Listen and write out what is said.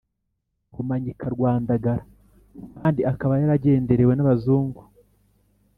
rumanyika rwa ndagara. kandi akaba yaragenderewe n'abazungu